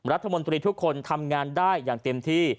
รัฐมนตรีทุกคนทำงานได้อย่างเต็มที่